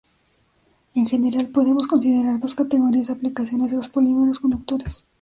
En general, podemos considerar dos categorías de aplicaciones de los polímeros conductores.